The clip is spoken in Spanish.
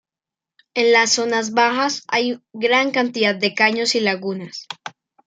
En las zonas bajas hay gran cantidad de caños y lagunas.